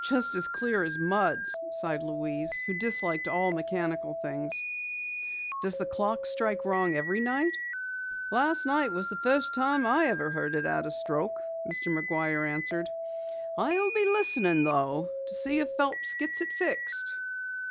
"Just as clear as mud," sighed Louise who disliked all mechanical things. "Does the clock strike wrong every night?" "Last night was the first time I ever heard it add a stroke," Mr. McGuire answered. "I'll be listening though, to see if Phelps gets it fixed."